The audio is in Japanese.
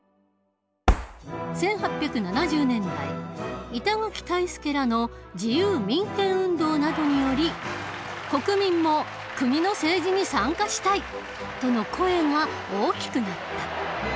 １８７０年代板垣退助らの自由民権運動などにより国民も「国の政治に参加したい！」との声が大きくなった。